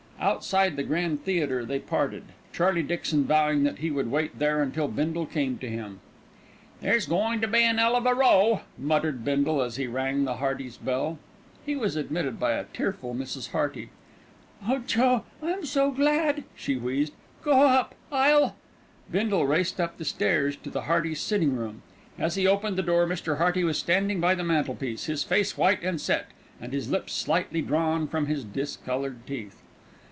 Outside the Grand Theatre they parted, Charlie Dixon vowing that he would wait there until Bindle came to him. "There's goin' to be an 'ell of a row," muttered Bindle, as he rang the Heartys' bell. He was admitted by a tearful Mrs. Hearty. "Oh, Joe, I'm so glad," she wheezed. "Go up; I'll " Bindle raced up the stairs to the Heartys' sitting room. As he opened the door Mr. Hearty was standing by the mantelpiece, his face white and set and his lips slightly drawn from his discoloured teeth.